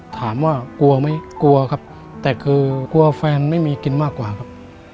ถามว่ากลัวไหมกลัวครับแต่คือกลัวแฟนไม่มีกินมากกว่าครับ